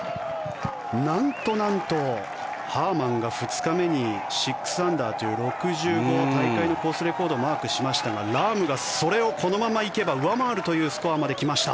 なんとなんとハーマンが２日目に６アンダーという６５大会のコースレコードをマークしましたがラームがそれをこのままいけば上回るというスコアまで来ました。